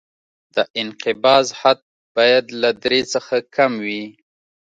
د انقباض حد باید له درې څخه کم وي